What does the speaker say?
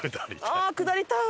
ああ下りたい！